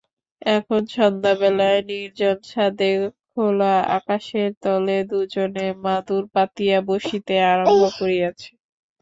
এখন সন্ধ্যাবেলায় নির্জন ছাদে খোলা আকাশের তলে দুজনে মাদুর পাতিয়া বসিতে আরম্ভ করিয়াছে।